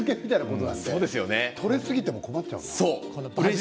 取れすぎても困っちゃうな。